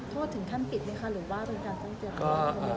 โทษถึงขั้นปิดเนี่ยค่ะ